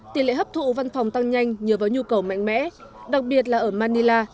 tỷ lệ hấp thụ văn phòng tăng nhanh nhờ vào nhu cầu mạnh mẽ đặc biệt là ở manila